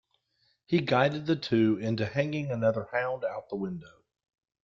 He guided the two into hanging another hound out the window.